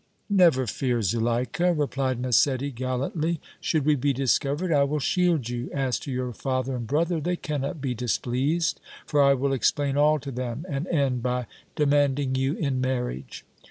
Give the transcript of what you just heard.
"Never fear, Zuleika," replied Massetti, gallantly. "Should we be discovered I will shield you. As to your father and brother, they cannot be displeased, for I will explain all to them and end by demanding you in marriage.